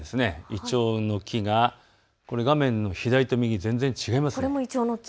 イチョウの木が去年と左と右、全然違いますよね。